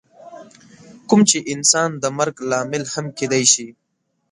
کوم چې انسان د مرګ لامل هم کیدی شي.